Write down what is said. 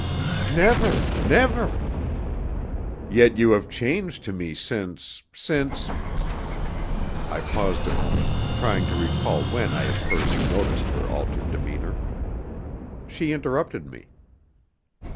"Never never." "Yet you have changed to me since since " I paused a moment, trying to recall when I had first noticed her altered demeanour. She interrupted me.